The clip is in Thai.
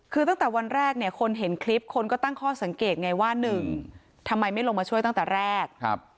คือตั้งแต่วันแรกเนี่ยคนเห็นคลิปคนก็ตั้งข้อสังเกตไงว่าหนึ่งทำไมไม่ลงมาช่วยตั้งแต่แรก